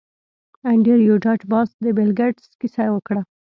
انډریو ډاټ باس د بیل ګیټس کیسه وکړه